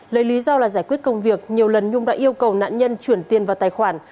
lấy lý do là giải quyết công việc nhiều lần nhung đã yêu cầu nạn nhân chuyển tiền vào tài khoản